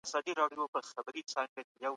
جامې او بدن بايد تل پاک وساتل سي.